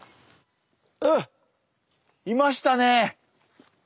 ああいましたね。